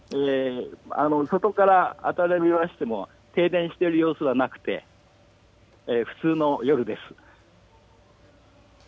外から明かりを見ましても停電している様子はなくて普通の夜です。